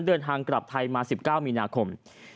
เดินทางกลับไทยมา๑๙มีนาคม